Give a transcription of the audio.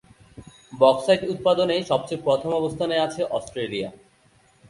Bauxite উৎপাদনে সবচেয়ে প্রথম অবস্থানে আছে অস্ট্রেলিয়া।